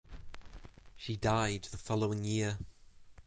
She died the following year.